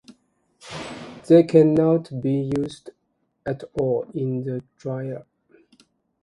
They cannot be used at all in the dryer.